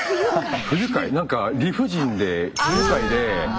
何か理不尽で不愉快で。